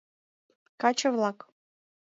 Каче-влак...